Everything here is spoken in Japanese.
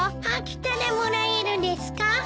飽きたらもらえるですか？